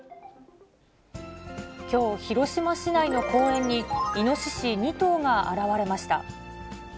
きょう、広島市内の公園に、イノシシ２頭が現れました。